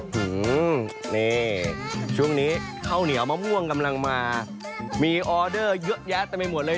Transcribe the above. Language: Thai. หือนี่ช่วงนี้ข้าวเหนียวมะม่วงกำลังมามีออเดอร์เยอะแยะเต็มไปหมดเลย